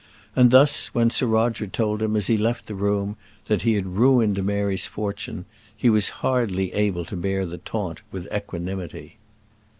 And thus, when Sir Roger told him, as he left the room, that he had ruined Mary's fortune, he was hardly able to bear the taunt with equanimity.